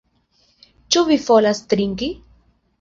Ĉu vi volas trinki?